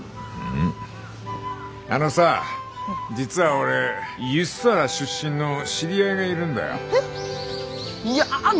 んあのさ実は俺梼原出身の知り合いがいるんだよ。